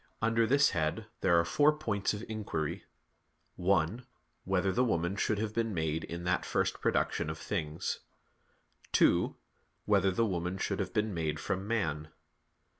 Under this head there are four points of inquiry: (1) Whether the woman should have been made in that first production of things? (2) Whether the woman should have been made from man?